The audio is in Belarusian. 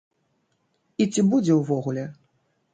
І ці будзе ўвогуле?